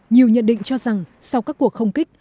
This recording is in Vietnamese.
nhiều nhận định cho rằng sau các cuộc không kích